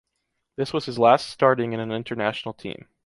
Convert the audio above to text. This was his last starting in an international team.